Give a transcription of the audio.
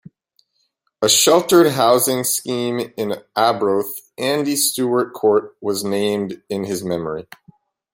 A sheltered housing scheme in Arbroath, 'Andy Stewart Court', was named in his memory.